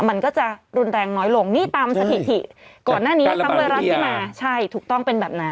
มันก็จะรุนแรงน้อยลงนี่ตามสถิติก่อนหน้านี้ซ้ำไวรัสที่มาใช่ถูกต้องเป็นแบบนั้น